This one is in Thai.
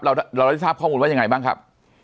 เราได้ทราบข้อมูลว่ายังไงบ้างครับ